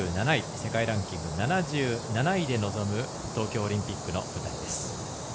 世界ランキング７７位で臨む東京オリンピックの舞台です。